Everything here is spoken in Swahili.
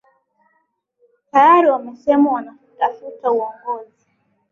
tayari wamesema wanatafuta uongozi